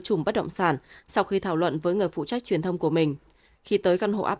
chùm bất động sản sau khi thảo luận với người phụ trách truyền thông của mình khi tới căn hộ áp